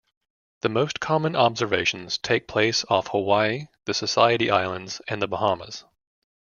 The most common observations take place off Hawaii, the Society Islands, and the Bahamas.